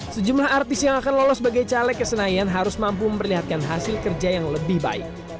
sejumlah artis yang akan lolos sebagai caleg ke senayan harus mampu memperlihatkan hasil kerja yang lebih baik